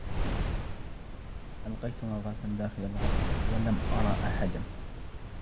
ألقيت نظرة داخل الغرفة و لم أرى أحدا.